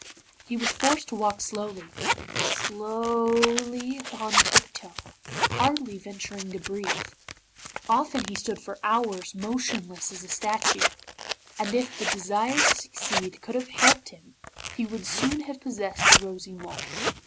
He was forced to walk slowly slowly upon tip toe, hardly venturing to breathe. Often he stood for hours motionless as a statue, and if the desire to succeed could have helped him he would soon have possessed the Rosy Mole.